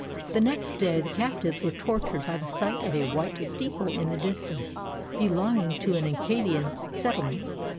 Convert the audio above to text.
The next day the captives were tortured by the sight of a white steeple in the distance, belonging to an Acadian settlement.